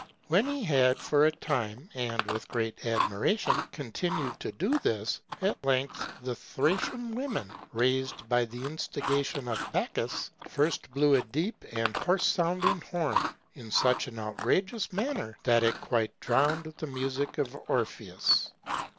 When he had for a time, and with great admiration, continued to do this, at length the Thracian women, raised by the instigation of Bacchus, first blew a deep and hoarse sounding horn, in such an outrageous manner, that it quite drowned the music of Orpheus.